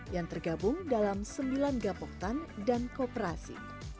yang tergabung dalam sembilan gapok tan dan kooperasi